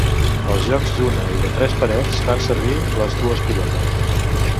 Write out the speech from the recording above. Els jocs d'una i de tres parets fan servir les dues pilotes.